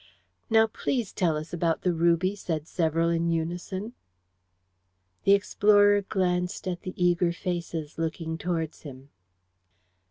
"Now, please, tell us about the ruby," said several in unison. The explorer glanced at the eager faces looking towards him.